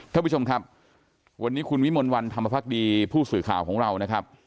ท่านผู้ชมครับวันนี้คุณวิมลวันธรรมภักดีผู้สื่อข่าวของเรานะครับ